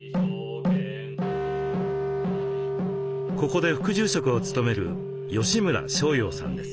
ここで副住職を務める吉村昇洋さんです。